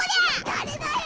誰だよ！